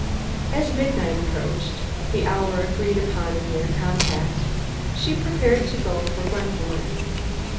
As midnight approached (the hour agreed upon in their compact) she prepared to go for Gwendolen.